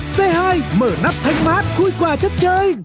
c hai mở nắp thành mát khui quả chất chơi